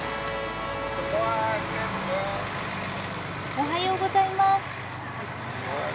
おはようございます。